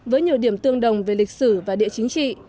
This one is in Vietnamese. với nhiều điểm tương đồng về lịch sử và địa chính trị